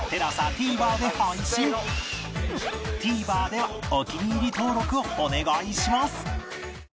ＴＶｅｒ ではお気に入り登録をお願いします